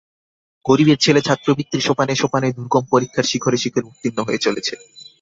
গরিবের ছেলে, ছাত্রবৃত্তির সোপানে সোপানে দুর্গম পরীক্ষার শিখরে শিখরে উত্তীর্ণ হয়ে চলেছে।